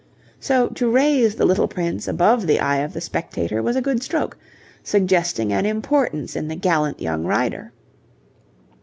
So to raise the little Prince above the eye of the spectator was a good stroke, suggesting an importance in the gallant young rider.